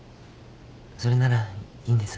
それならいいんです。